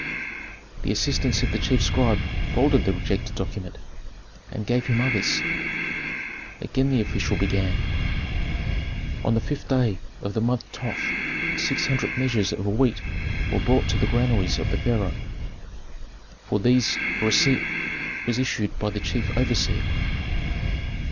The assistants of the chief scribe folded the rejected document, and gave him others. Again the official began, "On the fifth day of the month Thoth six hundred measures of wheat were brought to the granaries of the pharaoh; for these a receipt was issued by the chief overseer.